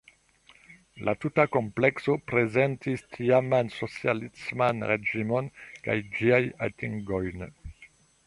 La tuta komplekso prezentis tiaman socialisman reĝimon kaj ĝiajn atingojn.